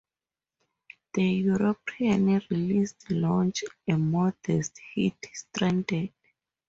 The European release launched a modest hit, "Stranded".